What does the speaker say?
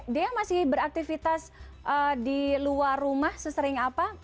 dea masih beraktivitas di luar rumah sesering apa